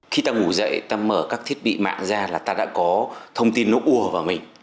khi ta ngủ dậy ta mở các thiết bị mạng ra là ta đã có thông tin nó ùa vào mình